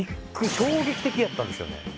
衝撃的やったんですよね。